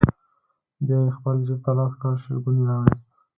بيا يې خپل جيب ته لاس کړ، شلګون يې راوايست: